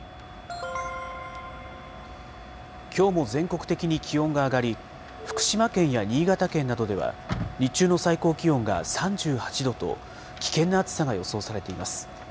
きょうも全国的に気温が上がり、福島県や新潟県などでは日中の最高気温が３８度と、危険な暑さが予想されています。